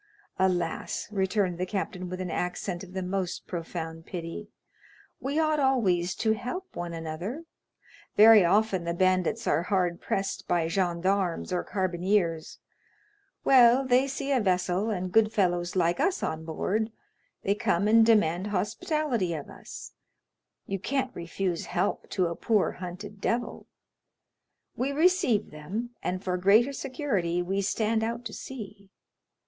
"Alas," returned the captain with an accent of the most profound pity, "we ought always to help one another. Very often the bandits are hard pressed by gendarmes or carbineers; well, they see a vessel, and good fellows like us on board, they come and demand hospitality of us; you can't refuse help to a poor hunted devil; we receive them, and for greater security we stand out to sea.